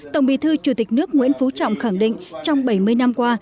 tổng bí thư chủ tịch nước nguyễn phú trọng khẳng định trong bảy mươi năm qua